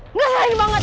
nggak ajarin banget